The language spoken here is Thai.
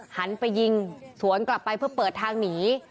หันไปยิงสวนกลับไปเพื่อเปิดทางหนี